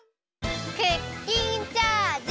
クッキンチャージ！